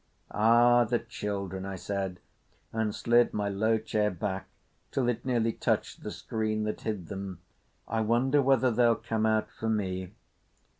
"Ah, the children!" I said, and slid my low chair back till it nearly touched the screen that hid them. "I wonder whether they'll come out for me."